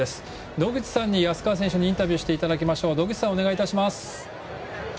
野口さんに安川選手のインタビューをしていだきましょう。